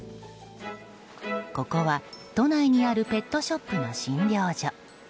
ここは都内にあるペットショップの診療所。